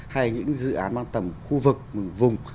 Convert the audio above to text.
hay những dự án mang tầm khu vực vùng